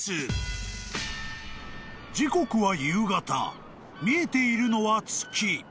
［時刻は夕方見えているのは月］